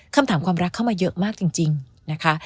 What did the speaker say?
คำถามความรักเข้ามาเยอะมากจริงนะคะ